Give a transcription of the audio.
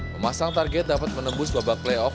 memasang target dapat menembus babak playoff